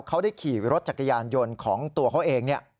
เขาได้ขี่รถจักรยานยนต์ของตัวเขาเอง